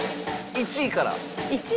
１位から？